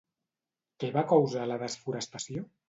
Què va causar la desforestació?